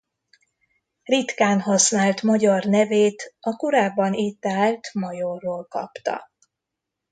Ritkán használt magyar nevét a korábban itt állt majorról kapta.